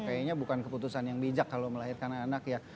kayanya bukan keputusan yang bijak kalau melahirkan anak ya